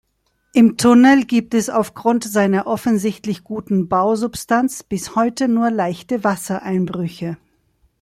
Im Tunnel gibt es aufgrund seiner offensichtlich guten Bausubstanz bis heute nur leichte Wassereinbrüche.